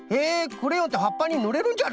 クレヨンってはっぱにぬれるんじゃな。